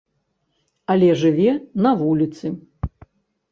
Але жыве на вуліцы.